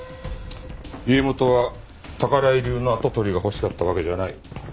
家元は宝居流の跡取りが欲しかったわけじゃない。